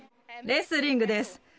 レスリングです。